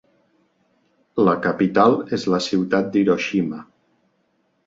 La capital és la ciutat d'Hiroshima.